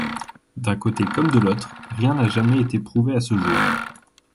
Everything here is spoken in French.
D'un côté comme de l'autre, rien n'a jamais été prouvé à ce jour.